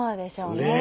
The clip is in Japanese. ねえ！